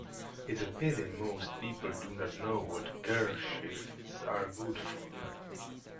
It's a pity most people do not know what gearshifts are good for.